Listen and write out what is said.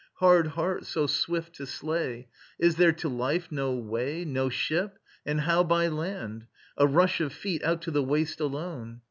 ... Hard heart, so swift to slay, Is there to life no way? ... No ship! ... And how by land? ... A rush of feet Out to the waste alone.